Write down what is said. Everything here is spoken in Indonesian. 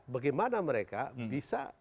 bagaimana mereka bisa